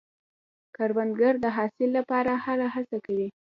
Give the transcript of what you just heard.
کروندګر د حاصل لپاره هره هڅه کوي